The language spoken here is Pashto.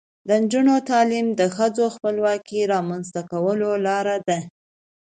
د نجونو تعلیم د ښځو خپلواکۍ رامنځته کولو لاره ده.